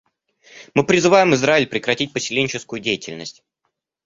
Мы призываем Израиль прекратить поселенческую деятельность.